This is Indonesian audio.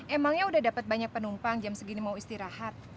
emangnya udah dapat banyak penumpang jam segini mau istirahat